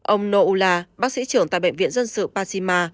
ông nourullah bác sĩ trưởng tại bệnh viện dân sự pasima